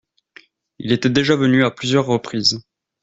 Il était déjà venu à plusieurs reprises.